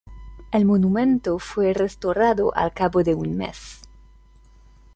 El monumento fue restaurado al cabo de un mes.